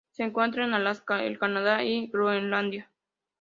Se encuentra en Alaska, el Canadá y Groenlandia.